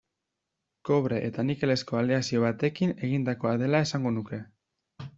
Kobre eta nikelezko aleazio batekin egindakoa dela esango nuke.